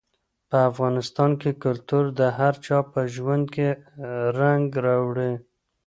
په افغانستان کې کلتور د هر چا په ژوند کې رنګ راوړي.